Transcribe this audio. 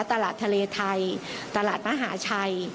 ตลาดทะเลไทยตลาดมหาชัย